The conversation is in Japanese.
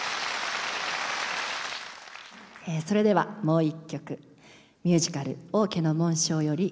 それではもう一曲ミュージカル「王家の紋章」より「想い儚き」。